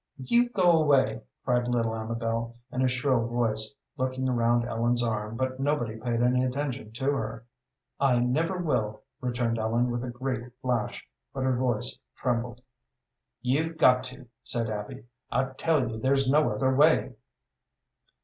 "You go away," cried little Amabel, in a shrill voice, looking around Ellen's arm; but nobody paid any attention to her. "I never will," returned Ellen, with a great flash, but her voice trembled. "You've got to," said Abby. "I tell you there's no other way."